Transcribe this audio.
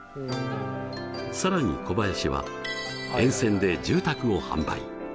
更に小林は沿線で住宅を販売。